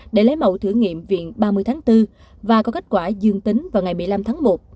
để lấy mẫu thử nghiệm viện ba mươi tháng bốn và có kết quả dương tính vào ngày một mươi năm tháng một